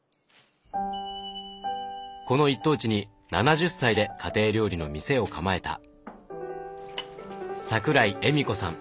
この一等地に７０歳で家庭料理の店を構えた桜井莞子さん